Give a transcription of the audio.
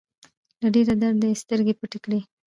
له ډېره درده يې سترګې پټې کړې.